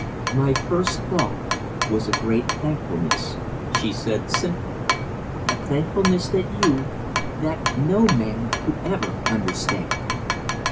"My first thought was a great thankfulness," she said, simply. "A thankfulness that you that no man could ever understand."